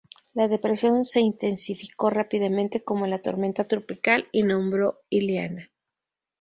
La depresión se intensificó rápidamente como la tormenta tropical y nombró Ileana.